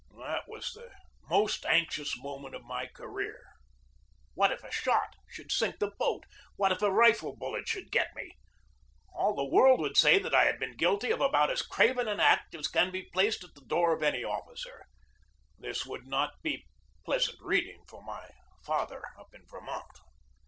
That was the most anxious moment of my career. What if a shot should sink the boat? What if a THE BATTLE OF PORT HUDSON 97 rifle bullet .should get me? All the world would say that I had been guilty of about as craven an act as can be placed at the door of any officer. This would not be pleasant reading for my father up in Vermont.